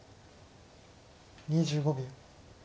２５秒。